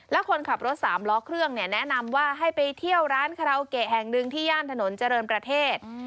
แล้วคนขับรถสามล้อเครื่องเนี่ยแนะนำว่าให้ไปเที่ยวร้านคาราโอเกะแห่งหนึ่งที่ย่านถนนเจริญประเทศ